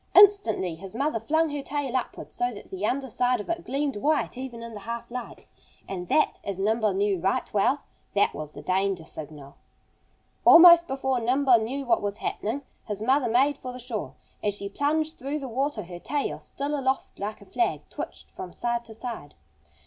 Instantly his mother flung her tail upward, so that the under side of it gleamed white even in the half light. And that as Nimble knew right well that was the danger signal. Almost before Nimble knew what was happening his mother made for the shore. As she plunged through the water her tail, still aloft like a flag, twitched from side to side.